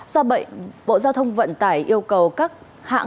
do vậy bộ giao thông vận tải yêu cầu các hãng